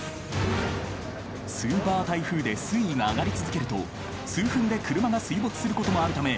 ［スーパー台風で水位が上がり続けると数分で車が水没することもあるため］